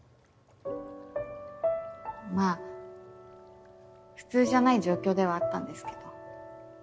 まあ普通じゃない状況ではあったんですけど。